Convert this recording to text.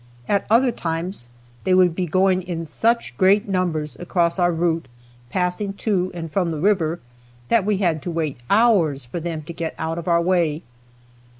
At other times they would be going in such great numbers across our route, passing to and from the river, that we had to wait hours for them to get out of our way.